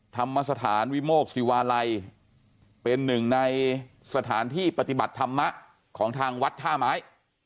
ธรรมสถานวิโมกศิวาลัยเป็นหนึ่งในสถานที่ปฏิบัติธรรมของทางวัดท่าไม้